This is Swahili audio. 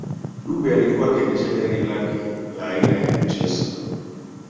Dube alikuwa akiendesha gari lake la aina ya Chrysler